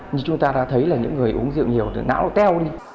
như chúng ta đã thấy là những người uống rượu nhiều thì não nó teo đi